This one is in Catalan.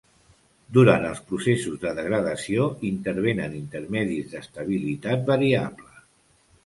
Durant els processos de degradació intervenen intermedis d'estabilitat variable.